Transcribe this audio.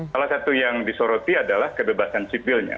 salah satu yang disoroti adalah kebebasan sipilnya